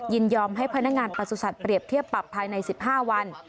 ยินยอมให้พนักงานประสุทธิ์เปรียบเทียบปรับภายใน๑๕วัน